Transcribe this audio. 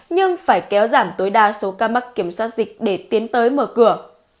nhưng phải kéo giảm tối đa số ca mắc kiểm soát dịch để tiến tới mở cửa